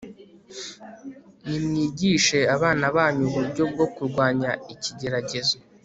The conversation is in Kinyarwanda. Nimwigishe Abana Banyu Uburyo bwo Kurwanya Ikigeragezo